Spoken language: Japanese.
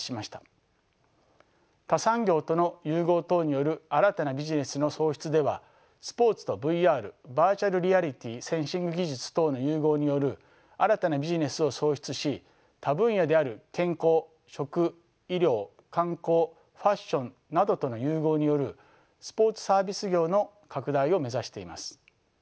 他産業との融合等による新たなビジネスの創出ではスポーツとＶＲバーチャルリアリティーセンシング技術等の融合による新たなビジネスを創出し他分野である健康食医療観光ファッションなどとの融合によるスポーツサービス業の拡大を目指しています。